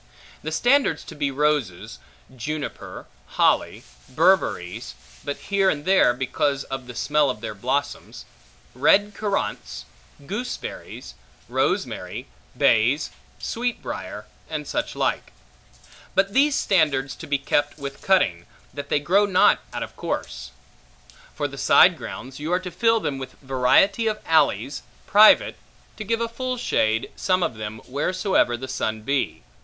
The standards to be roses; juniper; holly; berberries (but here and there, because of the smell of their blossoms); red currants; gooseberries; rosemary; bays; sweetbriar; and such like. But these standards to be kept with cutting, that they grow not out of course. For the side grounds, you are to fill them with variety of alleys, private, to give a full shade, some of them, wheresoever the sun be.